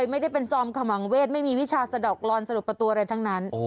ไม่ได้เป็นศาสตร์ดอกฟรรณสรุปประตูอะไรทั้งนั้น